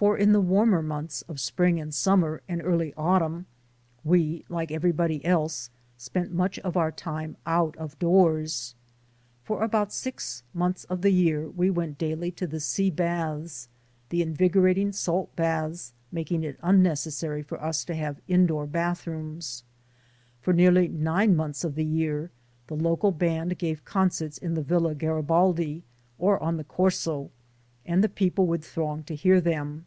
For in the warmer months of spring and summer and early autumn, we, like everybody else, spent much of our time out of doors. For about six months of the year we went daily to the sea baths ; the invigorating salt baths making it unnecessary for us to have indoor bathrooms. For nearly nine months of the year the local band gave concerts in the Villa Garibaldi or on the Corso, and the people would throng to hear them.